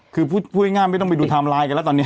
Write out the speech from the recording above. คือพูดง่ายไม่ต้องไปดูไทม์ไลน์กันแล้วตอนนี้